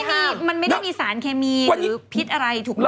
แต่ถ้ามันไม่ได้มีสารเคมีหรือพิษอะไรถูกหน้า